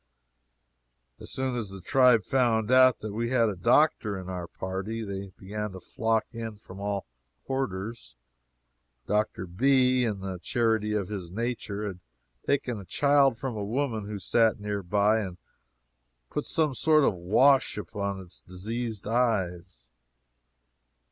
As soon as the tribe found out that we had a doctor in our party, they began to flock in from all quarters. Dr. B., in the charity of his nature, had taken a child from a woman who sat near by, and put some sort of a wash upon its diseased eyes.